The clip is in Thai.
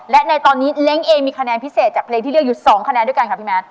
และในตอนนี้เล้งเองมีคะแนนพิเศษจากเพลงที่เลือกอยู่๒คะแนนด้วยกันค่ะพี่แมท